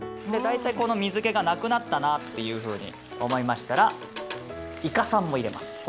大体この水けがなくなったなっていうふうに思いましたらイカさんも入れます。